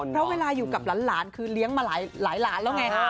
เพราะเวลาอยู่กับหลานคือเลี้ยงมาหลายหลานแล้วไง